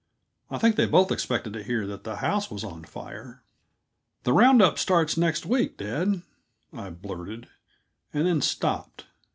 I think they both expected to hear that the house was on fire. "The round up starts next week, dad," I blurted, and then stopped.